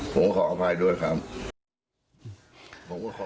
ผมก็ขออภัยด้วยครับ